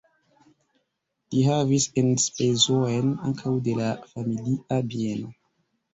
Li havis enspezojn ankaŭ de la familia bieno.